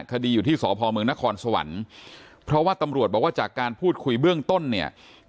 คดีอยู่ที่สพเมืองนครสวรรค์เพราะว่าตำรวจบอกว่าจากการพูดคุยเบื้องต้นเนี่ย